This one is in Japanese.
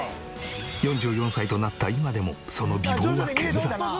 ４４歳となった今でもその美貌は健在！